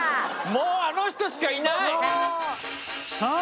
もうあの人しかいないさあ